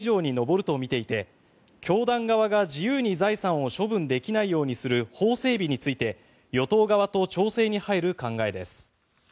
政府は旧統一教会の財産が１０００億円以上に上るとみていて教団側が自由に財産を処分できないようにする法整備について与党側と調整に入る考えです。